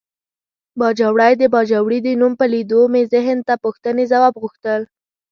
باجوړی د باجوړي د نوم په لیدو مې ذهن ته پوښتنې ځواب غوښتل.